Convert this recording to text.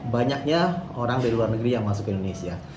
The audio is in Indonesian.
banyaknya orang dari luar negeri yang masuk ke indonesia